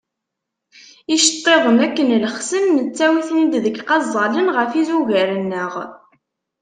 Icettiḍen, akken llexsen, nettawi-ten-id deg yiqaẓalen ɣef yizugar-nneɣ.